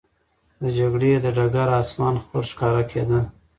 د جګړې د ډګر آسمان خړ ښکاره کېده.